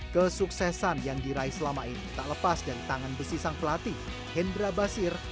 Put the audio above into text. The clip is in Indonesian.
kesuksesan yang diraih selama ini tak lepas dari tangan besi sang pelatih hendra basir